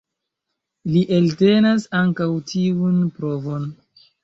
Li eltenas ankaŭ tiun provon.